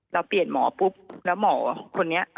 เราเปลี่ยนหมอปุ๊บแล้วหมอคนนี้